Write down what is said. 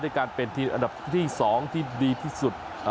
ด้วยการเป็นทีอันดับที่สองที่ดีที่สุด